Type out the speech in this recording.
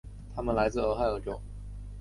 他们来自俄亥俄州。